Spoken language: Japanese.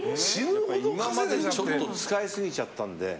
今まで、ちょっと使いすぎちゃったんで。